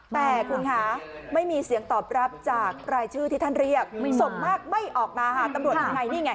แต่คุณคะไม่มีเสียงตอบรับจากรายชื่อที่ท่านเรียกส่งมากไม่ออกมาค่ะตำรวจยังไงนี่ไง